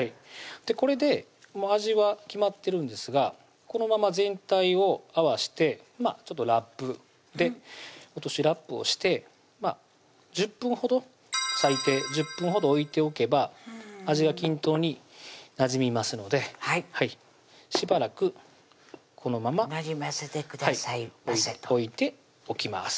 これで味は決まってるんですがこのまま全体を合わしてちょっとラップで落としラップをして１０分ほど最低１０分ほど置いておけば味が均等になじみますのでしばらくこのままなじませてくださいませと置いておきます